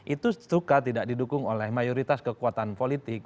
itu suka tidak didukung oleh mayoritas kekuatan politik